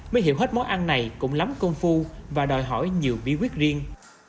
mới hiểu hết món ăn này cũng lắm công phu và đòi hỏi nhiều bí quyết riêng